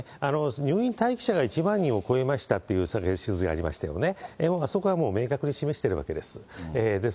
入院待機者が１万人を超えましたっていう、先ほどありましたよね、そこは明確に示しているわけです。